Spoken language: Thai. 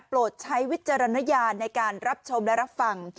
ใช้วิจารณญาณในการรับชมและรับฟัง